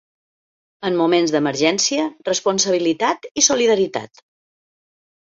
En moments d'emergència, responsabilitat i solidaritat!